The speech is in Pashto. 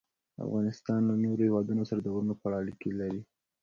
افغانستان له نورو هېوادونو سره د غرونو په اړه اړیکې لري.